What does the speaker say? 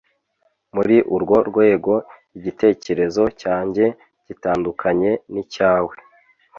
Muri urwo rwego igitekerezo cyanjye gitandukanye nicyawe